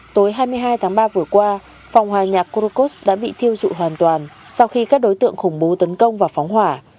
tối hai mươi hai tháng ba vừa qua phòng hòa nhạc kurokos đã bị thiêu dụ hoàn toàn sau khi các đối tượng khủng bố tấn công và phóng hỏa